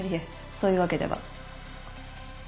そういうわけでは。